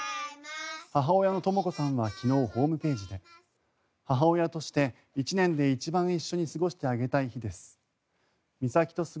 母親のとも子さんは昨日ホームページで母親として１年で一番一緒に過ごしてあげたい日です